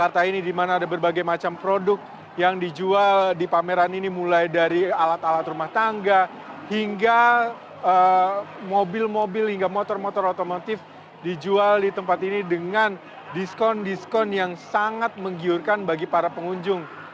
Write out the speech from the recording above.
dimana ada berbagai macam produk yang dijual di pameran ini mulai dari alat alat rumah tangga hingga mobil mobil hingga motor motor otomotif dijual di tempat ini dengan diskon diskon yang sangat menggiurkan bagi para pengunjung